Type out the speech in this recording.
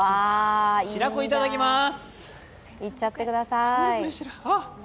白子いただきます。